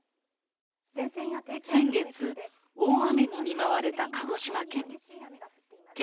先月、大雨に見舞われた鹿児島県。